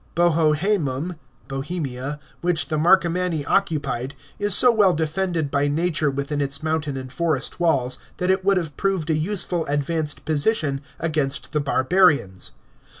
Boiohsemnm (Bohemia), which the Marcomanni occu pied, is so well defended hy nature within its mountain and forest walls that it would have proved a useful advanced position against the barbarians.